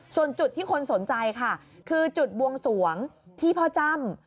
ส่วนจุดที่คนสนใจค่ะคือจุดบวงสวงที่พ่อจ้ำ